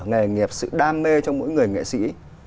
nghề nghiệp sự đam mê trong mỗi người nghệ sĩ